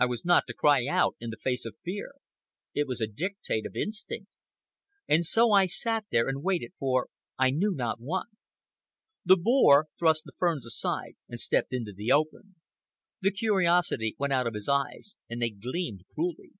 I was not to cry out in the face of fear. It was a dictate of instinct. And so I sat there and waited for I knew not what. The boar thrust the ferns aside and stepped into the open. The curiosity went out of his eyes, and they gleamed cruelly.